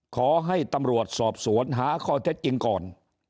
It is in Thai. ขอให้ตำรวจสอบสวนหาข้อเท็จจริงก่อน